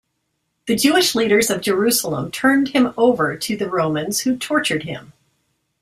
The Jewish leaders of Jerusalem turned him over to the Romans, who tortured him.